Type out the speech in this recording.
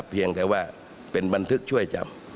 เพียงแต่ว่าเป็นบันทึกช่วยจับ